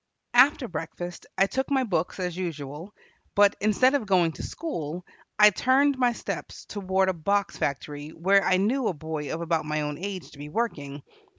After breakfast I took my books, as usual, but, instead of going to school, I turned my steps toward a box factory where I knew a boy of about my own age to be working.